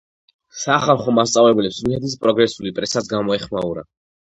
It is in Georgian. სახალხო მასწავლებლებს რუსეთის პროგრესული პრესაც გამოეხმაურა.